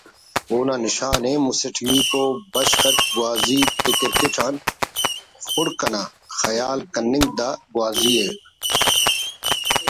اونا نشانءِ مسٹمیکو بشخ اٹ گوازی تے کرکٹ آن خڑک انا خیال کننگک دا گوازی